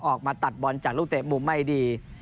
ออกมาตัดบอลจากลูกเตะมุมไม่ดี